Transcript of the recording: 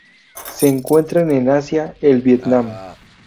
Se encuentran en Asia: el Vietnam